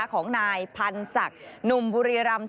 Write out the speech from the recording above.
ของนายพันธ์ศักดิ์หนุ่มบุรีรำ